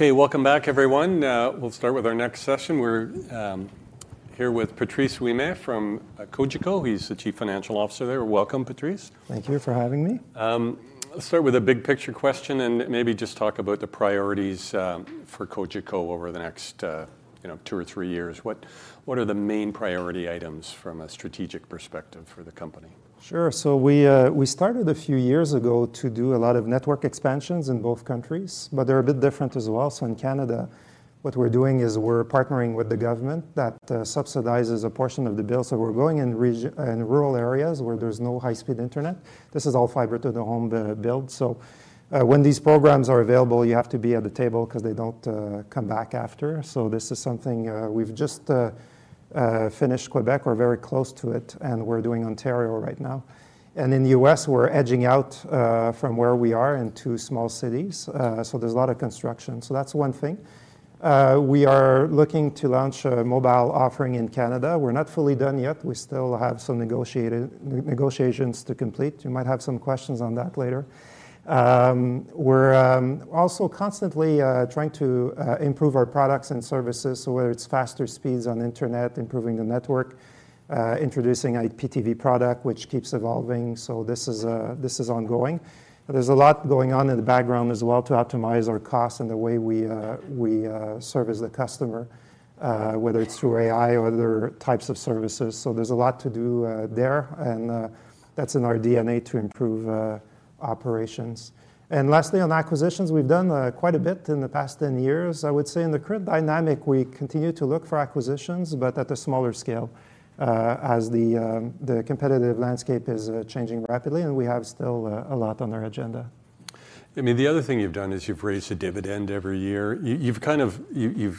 Okay, welcome back everyone. We'll start with our next session. We're here with Patrice Ouimet from Cogeco. He's the Chief Financial Officer there. Welcome, Patrice. Thank you for having me. Let's start with a big picture question, and maybe just talk about the priorities for Cogeco over the next, you know, two or three years. What are the main priority items from a strategic perspective for the company? Sure. So we started a few years ago to do a lot of network expansions in both countries, but they're a bit different as well. So in Canada, what we're doing is we're partnering with the government that subsidizes a portion of the bill. So we're going in rural areas where there's no high-speed internet. This is all fiber to the home, the build. So, when these programs are available, you have to be at the table 'cause they don't come back after. So this is something we've just finished Quebec, or very close to it, and we're doing Ontario right now. And in the U.S., we're edging out from where we are into small cities, so there's a lot of construction. So that's one thing. We are looking to launch a mobile offering in Canada. We're not fully done yet. We still have some negotiations to complete. You might have some questions on that later. We're also constantly trying to improve our products and services, so whether it's faster speeds on internet, improving the network, introducing a IPTV product, which keeps evolving, so this is ongoing. There's a lot going on in the background as well to optimize our costs and the way we service the customer, whether it's through AI or other types of services. So there's a lot to do, there, and, that's in our DNA to improve, operations. And lastly, on acquisitions, we've done quite a bit in the past 10 years. I would say in the current dynamic, we continue to look for acquisitions, but at a smaller scale, as the competitive landscape is changing rapidly, and we have still a lot on our agenda. I mean, the other thing you've done is you've raised the dividend every year. You've kind of, you're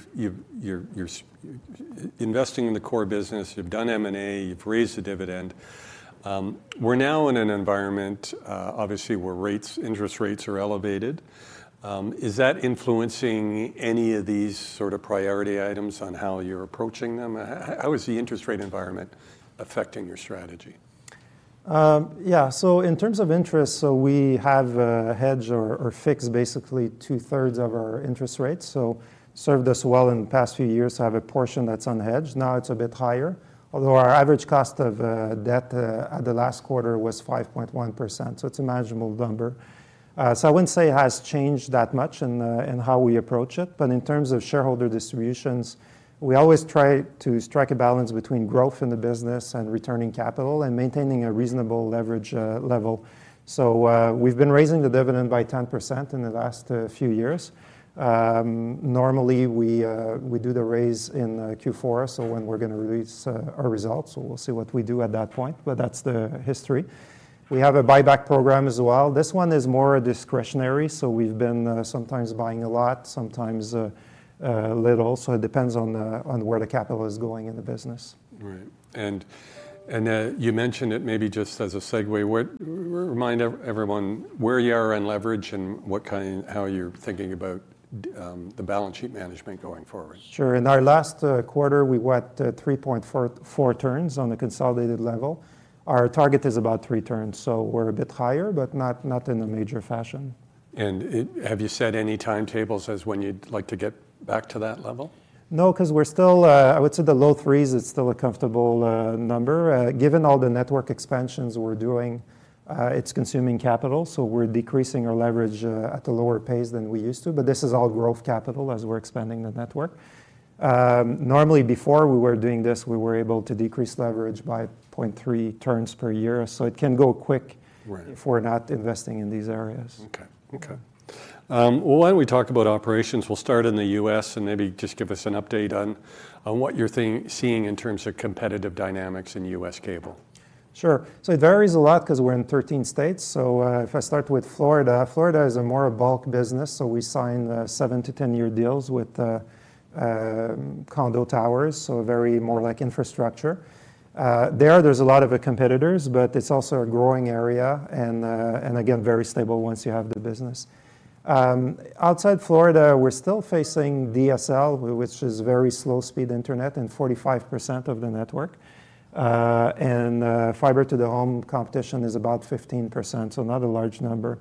investing in the core business, you've done M&A, you've raised the dividend. We're now in an environment, obviously, where interest rates are elevated. Is that influencing any of these sort of priority items on how you're approaching them? How is the interest rate environment affecting your strategy? Yeah, so in terms of interest, so we have hedged or fixed basically two-thirds of our interest rates, so served us well in the past few years to have a portion that's unhedged. Now, it's a bit higher, although our average cost of debt at the last quarter was 5.1%, so it's a manageable number. So I wouldn't say it has changed that much in how we approach it, but in terms of shareholder distributions, we always try to strike a balance between growth in the business and returning capital and maintaining a reasonable leverage level. So we've been raising the dividend by 10% in the last few years. Normally, we do the raise in Q4, so when we're going to release our results, so we'll see what we do at that point, but that's the history. We have a buyback program as well. This one is more discretionary, so we've been sometimes buying a lot, sometimes little, so it depends on where the capital is going in the business. Right. And you mentioned it maybe just as a segue, remind everyone where you are in leverage and what kind, how you're thinking about the balance sheet management going forward. Sure. In our last quarter, we went 3.44 turns on the consolidated level. Our target is about three turns, so we're a bit higher, but not in a major fashion. Have you set any timetables as when you'd like to get back to that level? No, 'cause we're still... I would say the low threes is still a comfortable number. Given all the network expansions we're doing, it's consuming capital, so we're decreasing our leverage at a lower pace than we used to, but this is all growth capital as we're expanding the network. Normally, before we were doing this, we were able to decrease leverage by 0.3 turns per year, so it can go quick, if we're not investing in these areas. Okay. Okay. Why don't we talk about operations? We'll start in the U.S., and maybe just give us an update on what you're seeing in terms of competitive dynamics in U.S. cable. Sure. So it varies a lot 'cause we're in 13 states. So, if I start with Florida, Florida is more of a bulk business, so we sign 7- to 10-year deals with condo towers, so very much like infrastructure. There, there's a lot of competitors, but it's also a growing area and, and again, very stable once you have the business. Outside Florida, we're still facing DSL, which is very slow-speed internet, in 45% of the network. And, fiber to the home competition is about 15%, so not a large number.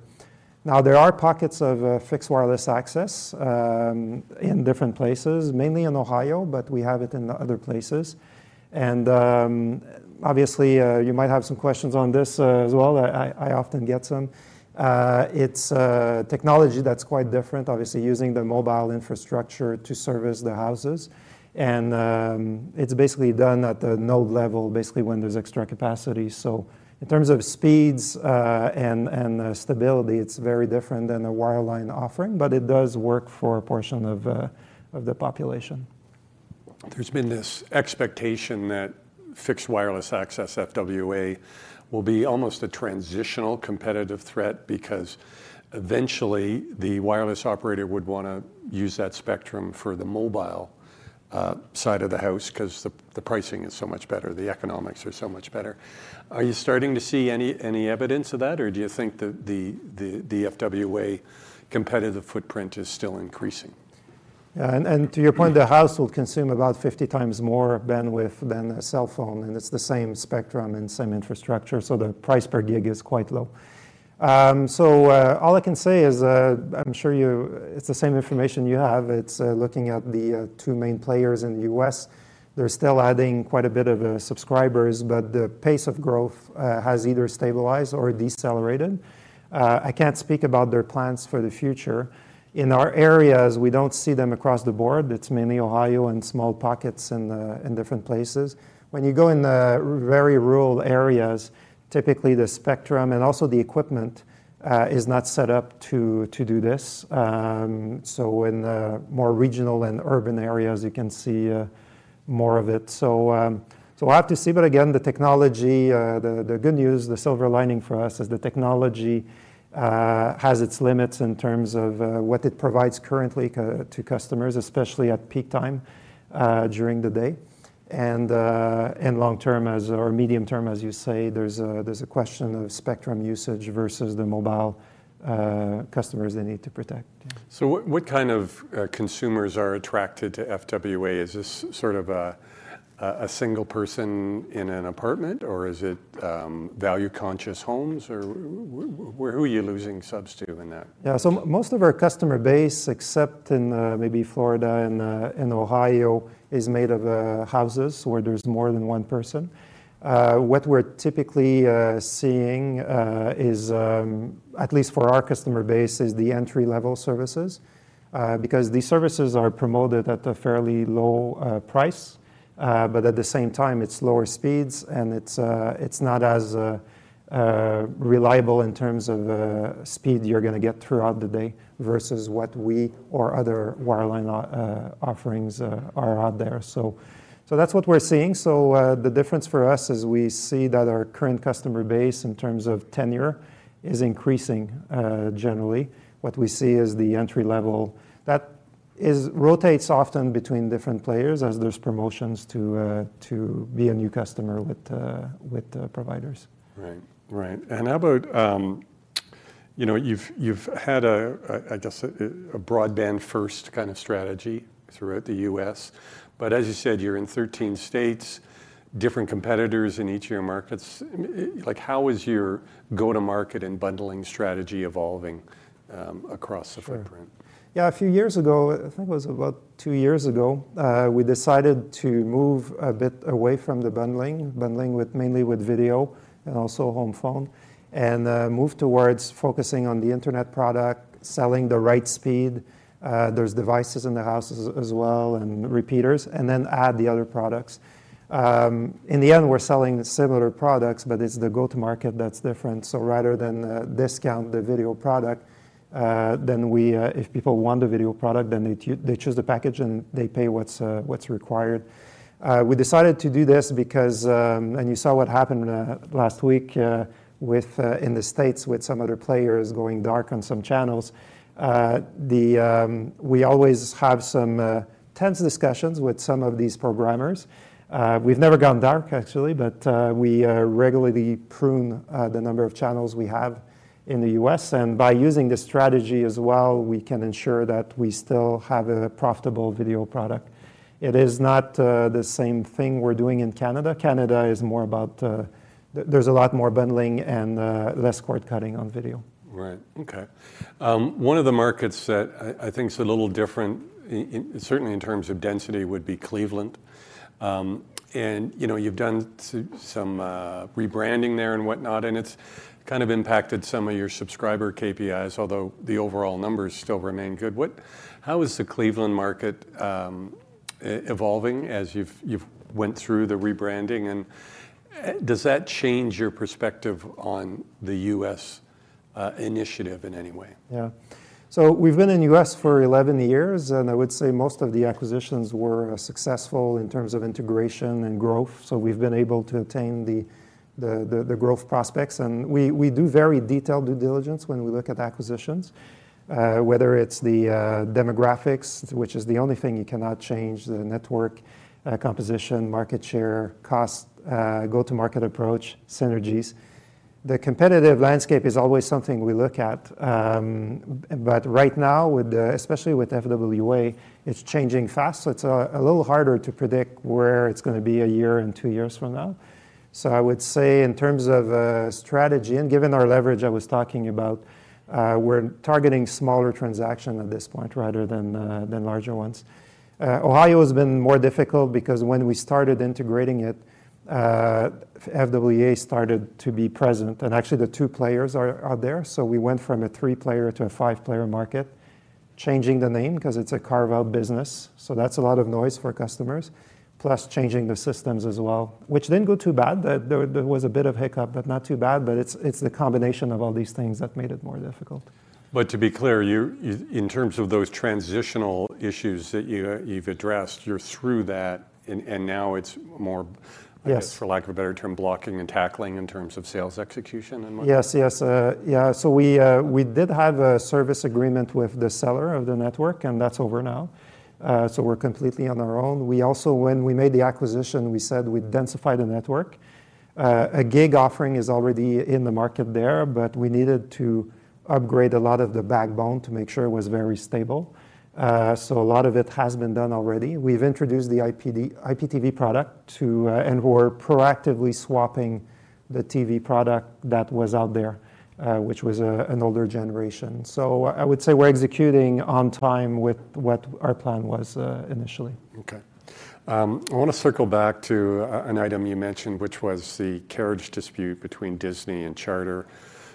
Now, there are pockets of fixed wireless access in different places, mainly in Ohio, but we have it in other places. And, obviously, you might have some questions on this as well. I often get some. It's a technology that's quite different, obviously, using the mobile infrastructure to service the houses. It's basically done at the node level, basically when there's extra capacity. So in terms of speeds, and stability, it's very different than a wireline offering, but it does work for a portion of the population. There's been this expectation that fixed wireless access, FWA, will be almost a transitional competitive threat because eventually, the wireless operator would wanna use that spectrum for the mobile side of the house 'cause the pricing is so much better, the economics are so much better. Are you starting to see any evidence of that, or do you think that the FWA competitive footprint is still increasing? To your point, the household consume about 50 times more bandwidth than a cellphone, and it's the same spectrum and same infrastructure, so the price per gig is quite low. So, all I can say is, I'm sure you- it's the same information you have. It's looking at the two main players in the U.S. They're still adding quite a bit of subscribers, but the pace of growth has either stabilized or decelerated. I can't speak about their plans for the future. In our areas, we don't see them across the board. It's mainly Ohio and small pockets in the, in different places. When you go in the very rural areas, typically, the spectrum and also the equipment is not set up to, to do this. So in the more regional and urban areas, you can see more of it. So, we'll have to see, but again, the technology, the good news, the silver lining for us, is the technology has its limits in terms of what it provides currently to customers, especially at peak time during the day. And long term, or medium term, as you say, there's a question of spectrum usage versus the mobile customers they need to protect. So what kind of consumers are attracted to FWA? Is this sort of a single person in an apartment, or is it value-conscious homes? Or who are you losing subs to in that? Yeah. So most of our customer base, except in maybe Florida and in Ohio, is made of houses where there's more than one person. What we're typically seeing is, at least for our customer base, is the entry-level services because these services are promoted at a fairly low price. But at the same time, it's lower speeds, and it's it's not as reliable in terms of speed you're gonna get throughout the day versus what we or other wireline offerings are out there. So, so that's what we're seeing. So the difference for us is we see that our current customer base, in terms of tenure, is increasing generally. What we see is the entry level, that is, rotates often between different players as there's promotions to be a new customer with the providers. Right. Right. And how about, you know, you've had a, I guess a, broadband first kind of strategy throughout the U.S., but as you said, you're in 13 states, different competitors in each of your markets. Like, how is your go-to-market and bundling strategy evolving, across the footprint? Yeah, a few years ago, I think it was about two years ago, we decided to move a bit away from the bundling mainly with video and also home phone, and move towards focusing on the internet product, selling the right speed. There's devices in the house as well, and repeaters, and then add the other products. In the end, we're selling similar products, but it's the go-to-market that's different. So rather than discount the video product, if people want the video product, then they choose the package, and they pay what's required. We decided to do this because, you saw what happened last week with in the States with some other players going dark on some channels. We always have some tense discussions with some of these programmers. We've never gone dark, actually, but we regularly prune the number of channels we have in the U.S., and by using this strategy as well, we can ensure that we still have a profitable video product. It is not the same thing we're doing in Canada. Canada is more about there's a lot more bundling and less cord-cutting on video. Right. Okay. One of the markets that I think is a little different, in certainly in terms of density, would be Cleveland. And, you know, you've done some rebranding there and whatnot, and it's kind of impacted some of your subscriber KPIs, although the overall numbers still remain good. How is the Cleveland market evolving as you've went through the rebranding, and does that change your perspective on the U.S. initiative in any way? Yeah. So we've been in the U.S. for 11 years, and I would say most of the acquisitions were successful in terms of integration and growth, so we've been able to attain the growth prospects. We do very detailed due diligence when we look at acquisitions, whether it's the demographics, which is the only thing you cannot change, the network composition, market share, cost, go-to-market approach, synergies. The competitive landscape is always something we look at, but right now, especially with FWA, it's changing fast, so it's a little harder to predict where it's gonna be one year and two years from now. So I would say in terms of strategy, and given our leverage I was talking about, we're targeting smaller transaction at this point rather than than larger ones. Ohio has been more difficult because when we started integrating it, FWA started to be present, and actually, the two players are there. So we went from a three-player to a five-player market, changing the name because it's a carve-out business, so that's a lot of noise for customers, plus changing the systems as well, which didn't go too bad. There was a bit of hiccup, but not too bad, but it's the combination of all these things that made it more difficult. But to be clear, you, in terms of those transitional issues that you've addressed, you're through that, and now it's more, I guess, for lack of a better term, blocking and tackling in terms of sales execution and whatnot? Yes, yes. Yeah, so we, we did have a service agreement with the seller of the network, and that's over now. So we're completely on our own. We also, when we made the acquisition, we said we'd densify the network. A gig offering is already in the market there, but we needed to upgrade a lot of the backbone to make sure it was very stable. So a lot of it has been done already. We've introduced the IPTV product to. And we're proactively swapping the TV product that was out there, which was an older generation. So I would say we're executing on time with what our plan was, initially. Okay. I want to circle back to an item you mentioned, which was the carriage dispute between Disney and Charter.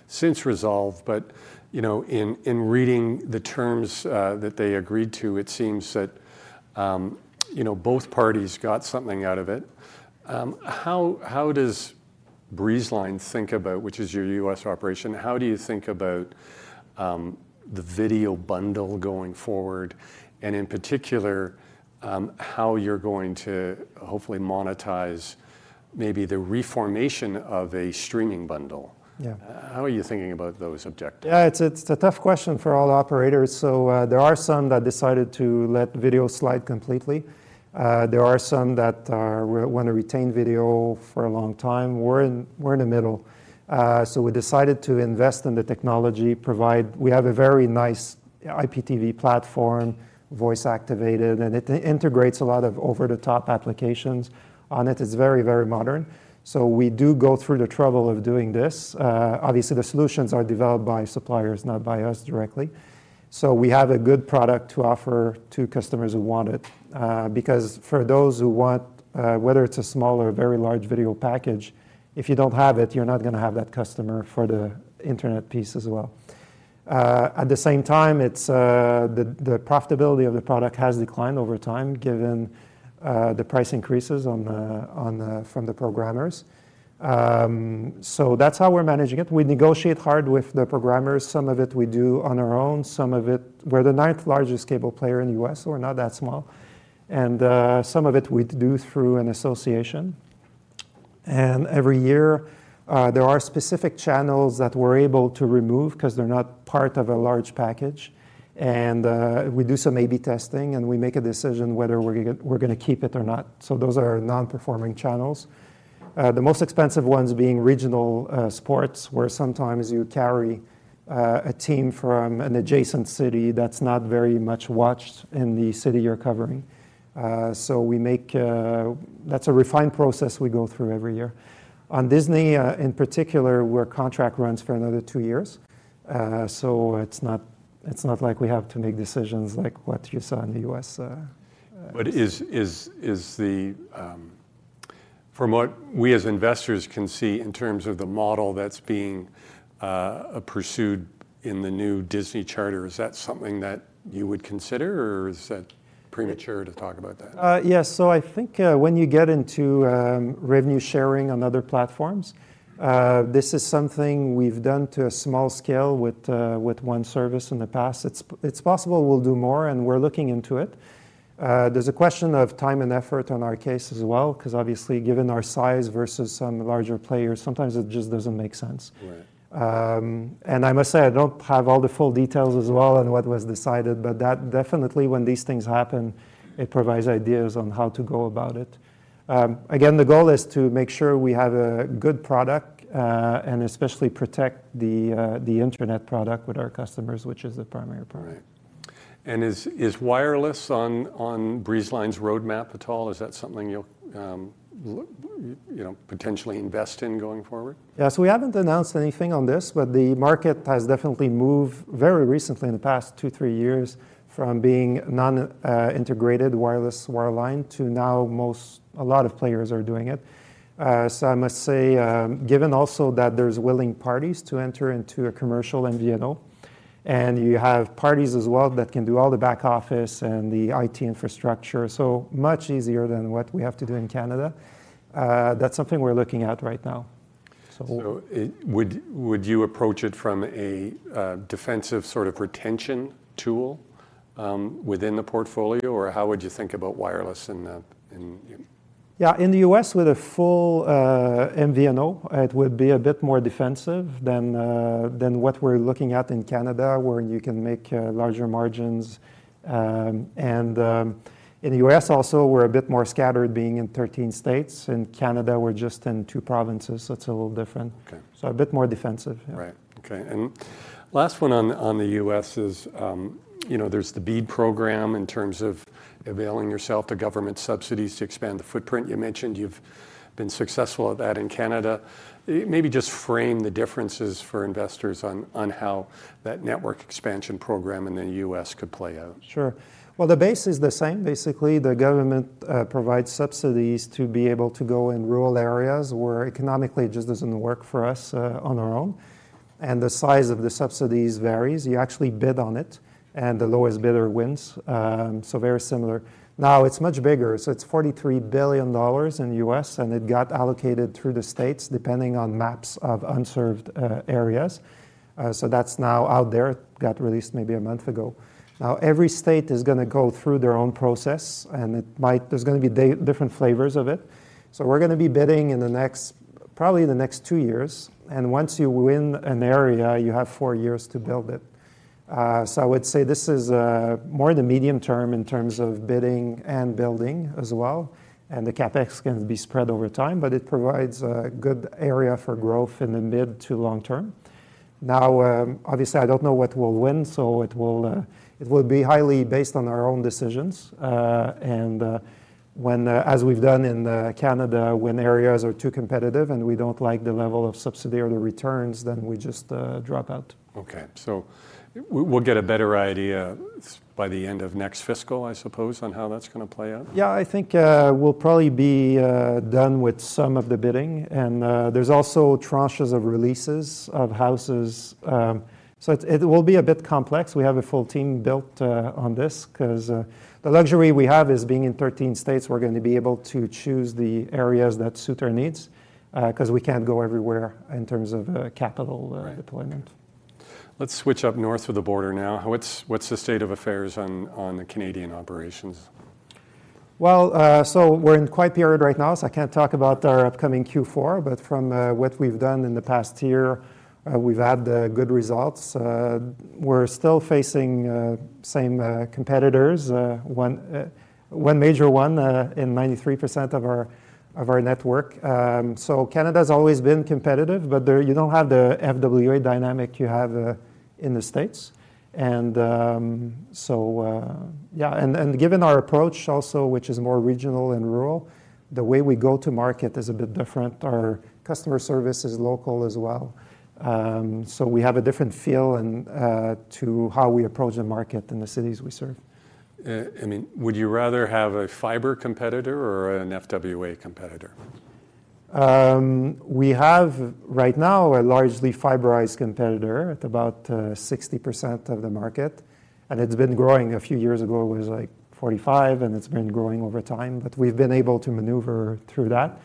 Since resolved, but, you know, in reading the terms that they agreed to, it seems that, you know, both parties got something out of it. How does Breezeline think about, which is your U.S. operation, how do you think about the video bundle going forward, and in particular, how you're going to hopefully monetize maybe the reformation of a streaming bundle? Yeah. How are you thinking about those objectives? Yeah, it's a, it's a tough question for all operators. So, there are some that decided to let video slide completely. There are some that want to retain video for a long time. We're in the middle. So we decided to invest in the technology, provide. We have a very nice IPTV platform, voice-activated, and it integrates a lot of over-the-top applications on it. It's very, very modern. So we do go through the trouble of doing this. Obviously, the solutions are developed by suppliers, not by us directly. So we have a good product to offer to customers who want it. Because for those who want, whether it's a small or a very large video package, if you don't have it, you're not going to have that customer for the internet piece as well. At the same time, the profitability of the product has declined over time, given the price increases from the programmers. So that's how we're managing it. We negotiate hard with the programmers. Some of it we do on our own, some of it, we're the ninth-largest cable player in the U.S., so we're not that small, and some of it we do through an association. And every year, there are specific channels that we're able to remove 'cause they're not part of a large package. And we do some A/B testing, and we make a decision whether we're going to keep it or not. So those are non-performing channels. The most expensive ones being regional sports, where sometimes you carry a team from an adjacent city that's not very much watched in the city you're covering. That's a refined process we go through every year. On Disney, in particular, our contract runs for another two years, so it's not, it's not like we have to make decisions like what you saw in the U.S. From what we as investors can see in terms of the model that's being pursued in the new Disney Charter, is that something that you would consider, or is that premature to talk about that? Yes. So I think, when you get into, revenue sharing on other platforms, this is something we've done to a small scale with, with one service in the past. It's, it's possible we'll do more, and we're looking into it. There's a question of time and effort on our case as well, 'cause obviously, given our size versus some larger players, sometimes it just doesn't make sense. Right. I must say, I don't have all the full details as well on what was decided, but that definitely, when these things happen, it provides ideas on how to go about it. Again, the goal is to make sure we have a good product, and especially protect the internet product with our customers, which is the primary product. Right. And is wireless on Breezeline's roadmap at all? Is that something you'll, you know, potentially invest in going forward? Yeah, so we haven't announced anything on this, but the market has definitely moved very recently, in the past 2-3 years, from being non-integrated wireless wireline to now most, a lot of players are doing it. So I must say, given also that there's willing parties to enter into a commercial MVNO, and you have parties as well that can do all the back office and the IT infrastructure, so much easier than what we have to do in Canada, that's something we're looking at right now. So- So, would you approach it from a defensive sort of retention tool within the portfolio, or how would you think about wireless in that? Yeah, in the U.S. with a full MVNO, it would be a bit more defensive than what we're looking at in Canada, where you can make larger margins. In the U.S. also, we're a bit more scattered, being in 13 states. In Canada, we're just in two provinces, so it's a little different. Okay. A bit more defensive. Right. Okay, and last one on, on the U.S. is, you know, there's the BEAD program in terms of availing yourself to government subsidies to expand the footprint. You mentioned you've been successful at that in Canada. Maybe just frame the differences for investors on, on how that network expansion program in the U.S. could play out. Sure. Well, the base is the same. Basically, the government provides subsidies to be able to go in rural areas where economically it just doesn't work for us on our own, and the size of the subsidies varies. You actually bid on it, and the lowest bidder wins, so very similar. Now, it's much bigger. So it's $43 billion in the U.S., and it got allocated through the states, depending on maps of unserved areas. So that's now out there. It got released maybe a month ago. Now, every state is gonna go through their own process, and it might. There's gonna be different flavors of it. So we're gonna be bidding in the next, probably the next two years, and once you win an area, you have four years to build it. So I would say this is more the medium term in terms of bidding and building as well, and the CapEx can be spread over time, but it provides a good area for growth in the mid to long term. Now, obviously, I don't know what will win, so it will be highly based on our own decisions. And when, as we've done in Canada, when areas are too competitive and we don't like the level of subsidy returns, then we just drop out. Okay. So we'll get a better idea by the end of next fiscal, I suppose, on how that's gonna play out? Yeah, I think we'll probably be done with some of the bidding. There's also tranches of releases of houses. So it will be a bit complex. We have a full team built on this, 'cause the luxury we have is being in 13 states, we're going to be able to choose the areas that suit our needs, 'cause we can't go everywhere in terms of capital deployment. Let's switch up north of the border now. What's the state of affairs on the Canadian operations? Well, so we're in a quiet period right now, so I can't talk about our upcoming Q4, but from what we've done in the past year, we've had good results. We're still facing same competitors, one major one in 93% of our network. So Canada's always been competitive, but there, you don't have the FWA dynamic you have in the States. And so yeah, and given our approach also, which is more regional and rural, the way we go to market is a bit different. Our customer service is local as well. So we have a different feel and to how we approach the market in the cities we serve. I mean, would you rather have a fiber competitor or an FWA competitor? We have, right now, a largely fiberized competitor at about 60% of the market, and it's been growing. A few years ago, it was, like, 45, and it's been growing over time, but we've been able to maneuver through that.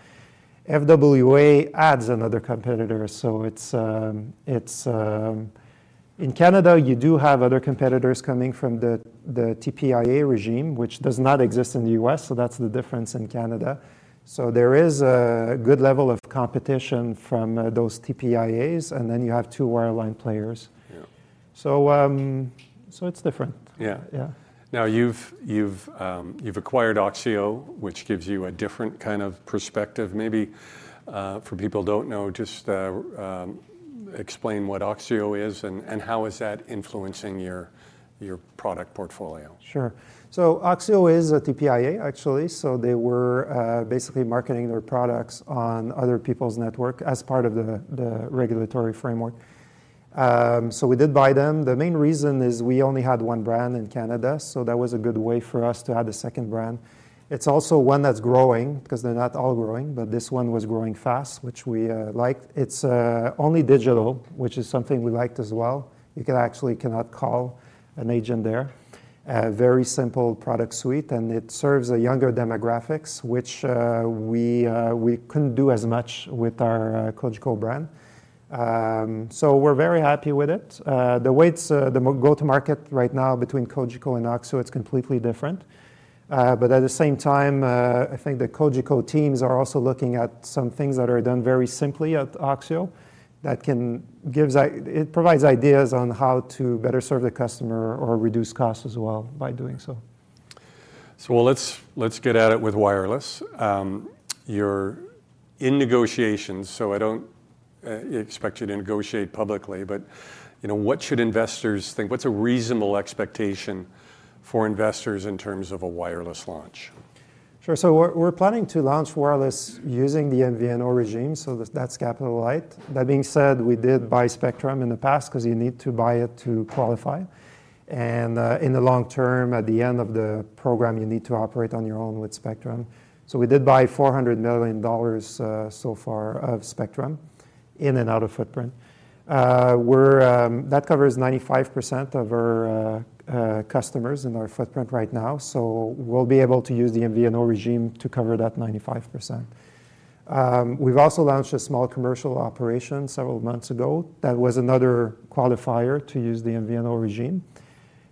FWA adds another competitor, so it's... In Canada, you do have other competitors coming from the TPIA regime, which does not exist in the U.S., so that's the difference in Canada. So there is a good level of competition from those TPIAs, and then you have two wireline players. Yeah. It's different. Yeah. Yeah. Now, you've acquired Oxio, which gives you a different kind of perspective. Maybe, for people who don't know, just explain what Oxio is, and how is that influencing your product portfolio? Sure. So Oxio is a TPIA, actually, so they were basically marketing their products on other people's network as part of the regulatory framework. So we did buy them. The main reason is we only had one brand in Canada, so that was a good way for us to add a second brand. It's also one that's growing, 'cause they're not all growing, but this one was growing fast, which we liked. It's only digital, which is something we liked as well. You actually cannot call an agent there. Very simple product suite, and it serves a younger demographics, which we couldn't do as much with our Cogeco brand. So we're very happy with it. The way it's go to market right now between Cogeco and Oxio, it's completely different. But at the same time, I think the Cogeco teams are also looking at some things that are done very simply at Oxio, that it provides ideas on how to better serve the customer or reduce costs as well by doing so. Well, let's get at it with wireless. You're in negotiations, so I don't expect you to negotiate publicly, but you know, what should investors think? What's a reasonable expectation for investors in terms of a wireless launch? Sure. So we're planning to launch wireless using the MVNO regime, so that's capital light. That being said, we did buy spectrum in the past, 'cause you need to buy it to qualify. In the long term, at the end of the program, you need to operate on your own with spectrum. So we did buy 400 million dollars, so far, of spectrum in and out of footprint. That covers 95% of our customers in our footprint right now, so we'll be able to use the MVNO regime to cover that 95%. We've also launched a small commercial operation several months ago. That was another qualifier to use the MVNO regime.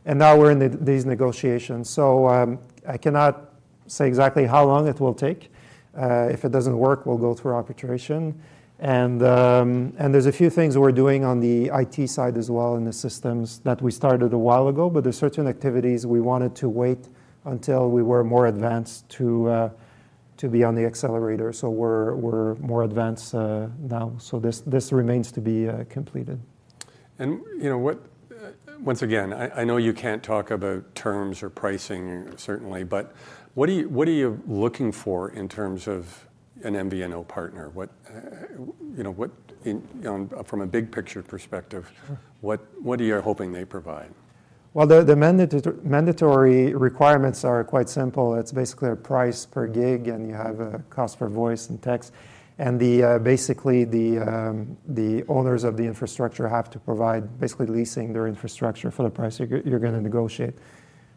And now we're in these negotiations. So, I cannot say exactly how long it will take. If it doesn't work, we'll go through arbitration. And there's a few things we're doing on the IT side as well in the systems that we started a while ago, but there's certain activities we wanted to wait until we were more advanced to be on the accelerator. So we're more advanced now. So this remains to be completEed. Once again, I know you can't talk about terms or pricing, certainly, but what are you, what are you looking for in terms of an MVNO partner? What, you know, from a big picture perspective what are you hoping they provide? Well, the mandatory requirements are quite simple. It's basically a price per gig, and you have a cost for voice and text. Basically, the owners of the infrastructure have to provide, basically, leasing their infrastructure for the price you're gonna negotiate.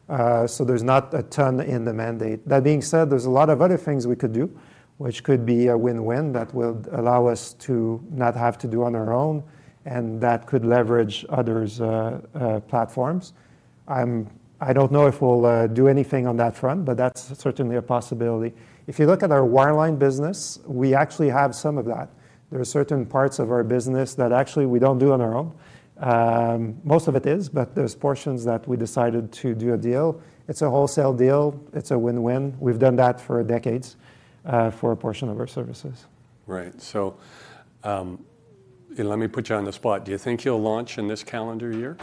So there's not a ton in the mandate. That being said, there's a lot of other things we could do, which could be a win-win, that would allow us to not have to do on our own, and that could leverage others' platforms. I don't know if we'll do anything on that front, but that's certainly a possibility. If you look at our wireline business, we actually have some of that. There are certain parts of our business that actually we don't do on our own. Most of it is, but there's portions that we decided to do a deal. It's a wholesale deal. It's a win-win. We've done that for decades, for a portion of our services. Right. Let me put you on the spot. Do you think you'll launch in this calendar year?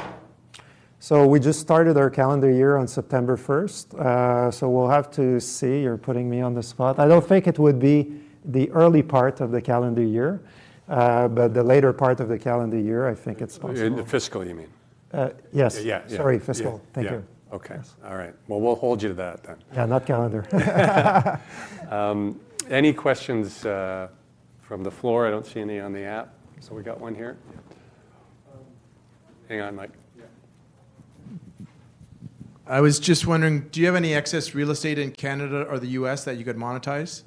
We just started our calendar year on September 1st. We'll have to see. You're putting me on the spot. I don't think it would be the early part of the calendar year, but the later part of the calendar year, I think it's possible. The fiscal, you mean? Uh, yes. Yeah, yeah. Sorry, fiscal. Yeah. Thank you. Yeah. Okay. Yes. All right. Well, we'll hold you to that then. Yeah, not calendar. Any questions from the floor? I don't see any on the app. So we got one here. Hang on, Mike. Yeah. I was just wondering, do you have any excess real estate in Canada or the U.S. that you could monetize?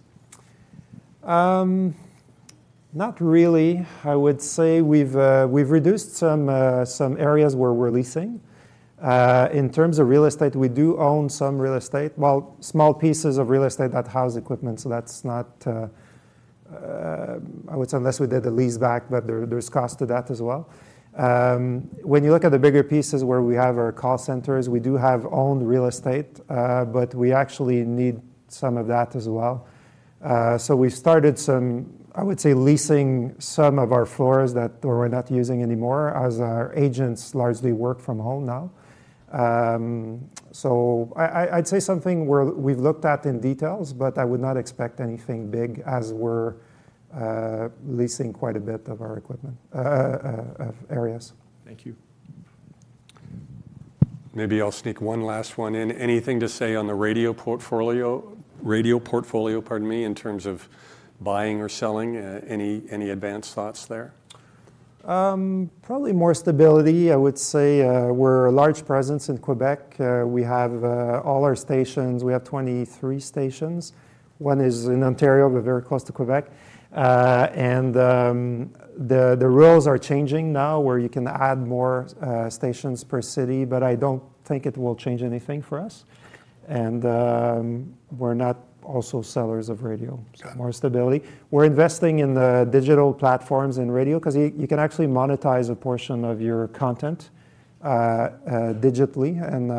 Not really. I would say we've reduced some areas where we're leasing. In terms of real estate, we do own some real estate, well, small pieces of real estate that house equipment, so that's not... I would say unless we did the lease back, but there's cost to that as well. When you look at the bigger pieces where we have our call centers, we do have owned real estate, but we actually need some of that as well. So we started, I would say, leasing some of our floors that we're not using anymore, as our agents largely work from home now. So I'd say something we've looked at in details, but I would not expect anything big as we're leasing quite a bit of our equipment of areas. Thank you. Maybe I'll sneak one last one in. Anything to say on the radio portfolio? Radio portfolio, pardon me, in terms of buying or selling, any advanced thoughts there? Probably more stability. I would say, we're a large presence in Quebec. We have all our stations, we have 23 stations. One is in Ontario, but very close to Quebec. And the rules are changing now, where you can add more stations per city, but I don't think it will change anything for us. And we're not also sellers of radio. Got it. More stability. We're investing in the digital platforms in radio, 'cause you can actually monetize a portion of your content digitally, and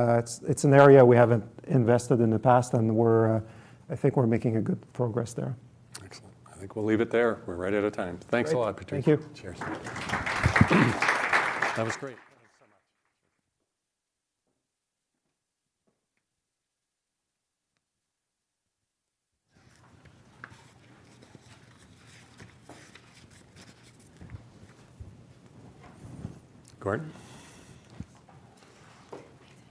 it's an area we haven't invested in the past, and we're, I think we're making a good progress there. Excellent. I think we'll leave it there. We're right out of time. Great. Thanks a lot, Patrice. Thank you. Cheers. That was great. Thank you so much. Gordon?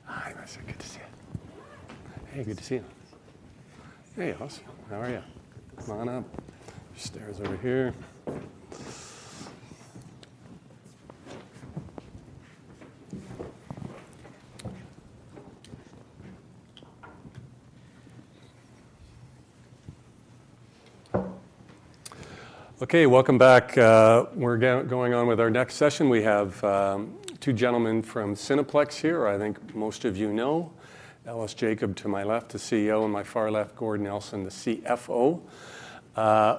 Hi, good to see you. Hey, good to see you. Hey, Ellis. How are you? Come on up. There's stairs over here. Okay, welcome back. We're going on with our next session. We have two gentlemen from Cineplex here, who I think most of you know. Ellis Jacob, to my left, the CEO, and my far left, Gordon Nelson, the CFO.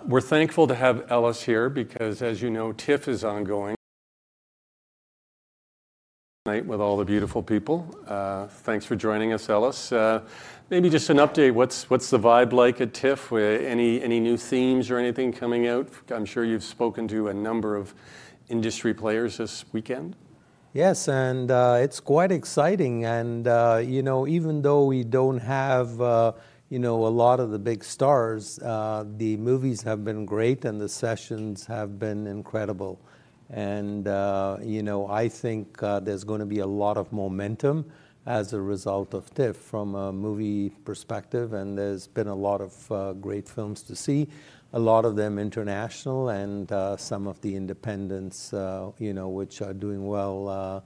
We're thankful to have Ellis here because, as you know, TIFF is ongoing tonight with all the beautiful people. Thanks for joining us, Ellis. Maybe just an update, what's the vibe like at TIFF? Any new themes or anything coming out? I'm sure you've spoken to a number of industry players this weekend. Yes, and it's quite exciting. And you know, even though we don't have you know, a lot of the big stars, the movies have been great, and the sessions have been incredible. And you know, I think there's gonna be a lot of momentum as a result of TIFF from a movie perspective, and there's been a lot of great films to see. A lot of them international and some of the independents you know, which are doing well.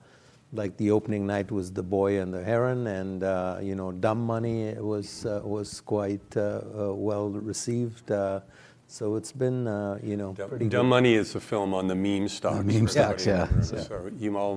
Like, the opening night was The Boy and the Heron, and you know, Dumb Money was quite well-received. So it's been you know, pretty good. Dumb Money is a film on the meme stocks. The meme stocks, yeah. Sorry, you all know-